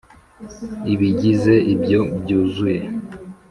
ibigize ibyo byuzuye,